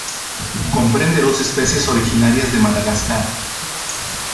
Comprende dos especies originarias de Madagascar.